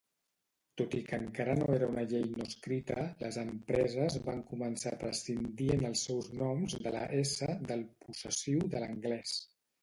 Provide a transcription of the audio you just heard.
Tot i que encara no era una llei no escrita, les empreses van començar a prescindir en els seus noms de la "s" del possessiu de l'anglès.